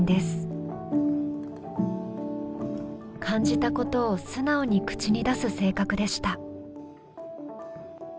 感じたことを素直に口に出す性格でした。